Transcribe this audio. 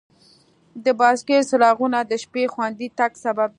د بایسکل څراغونه د شپې خوندي تګ سبب دي.